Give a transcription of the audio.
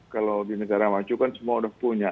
kalau di negara maju kan semua udah punya